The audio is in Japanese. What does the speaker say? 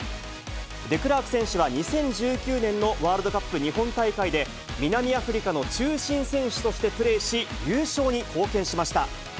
デクラーク選手は２０１９年のワールドカップ日本大会で、南アフリカの中心選手としてプレーし、優勝に貢献しました。